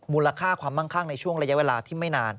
ค่าความมั่งคั่งในช่วงระยะเวลาที่ไม่นาน